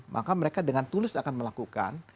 maka mereka dengan tulis akan melakukan